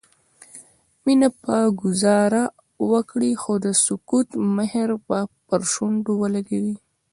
مينه به ګذاره وکړي خو د سکوت مهر به پر شونډو ولګوي